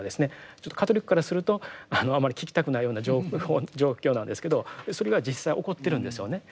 カトリックからするとあまり聞きたくないような状況なんですけどそれが実際起こってるんですよね。